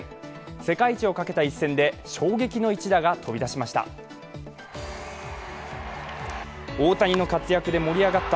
世界一をかけた一戦で衝撃の一打が飛び出しました。